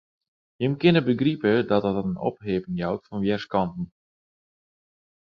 Jim kinne begripe dat dat in opheapping jout fan wjerskanten.